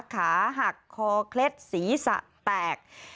ขาหักคอเคล็ดศีรษะแตก